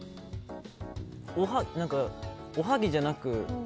何か、おはぎじゃなく。